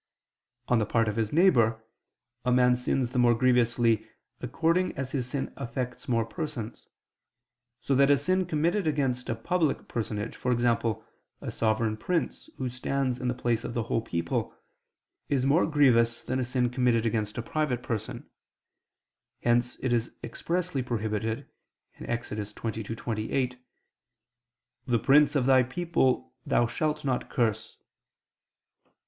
On the part of his neighbor, a man sins the more grievously, according as his sin affects more persons: so that a sin committed against a public personage, e.g. a sovereign prince who stands in the place of the whole people, is more grievous than a sin committed against a private person; hence it is expressly prohibited (Ex. 22:28): "The prince of thy people thou shalt not curse."